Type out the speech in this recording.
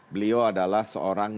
beliau adalah seorang